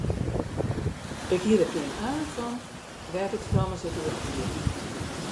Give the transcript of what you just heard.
Ik hie der gjin aan fan wêr't it frommes it oer hie.